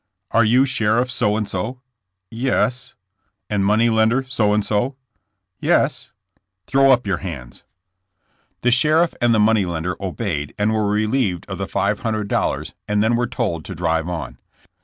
Are you sheriff so and so?" Yes." And money lender so and so?'* '^Yes." Throw up your hands." OUTI^AWKD AND MUNTEB. 77 Tlie sheriff and the money lender obeyed and were relieved of the five hundred dollars, and then were told to drive on.